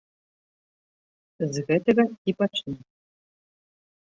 З гэтага і пачну.